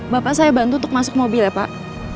bapak saya bantu untuk masuk mobil ya pak